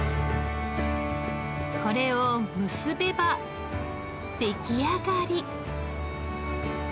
これをむすべば出来上がり。